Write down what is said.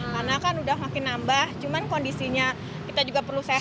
karena kan udah makin nambah cuman kondisinya kita juga perlu sehat